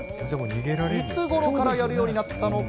いつ頃からやるようになったのか？